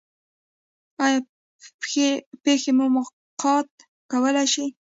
ایا پښې مو قات کولی شئ؟